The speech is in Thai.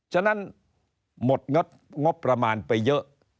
ฉะนั้นหมดงบประมาณไปเยอะ